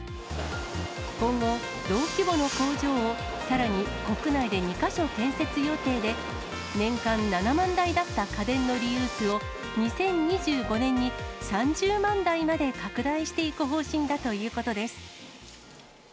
今後、同規模の工場をさらに国内で２か所建設予定で、年間７万台だった家電のリユースを、２０２５年に３０万台まで拡大していく方針だということです。